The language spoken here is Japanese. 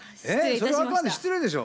それはあかんで失礼でしょ。